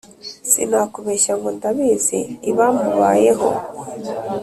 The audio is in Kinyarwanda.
Sinakubeshya ngo ndabizi ibamubayeho